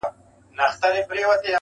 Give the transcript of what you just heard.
• صرف و نحو دي ویلي که نه دي,